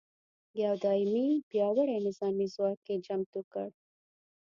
یو دایمي پیاوړي نظامي ځواک یې چمتو کړ.